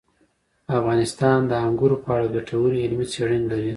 افغانستان د انګورو په اړه ګټورې علمي څېړنې لري.